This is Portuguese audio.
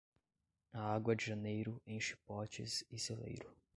A água de janeiro enche potes e celeiro.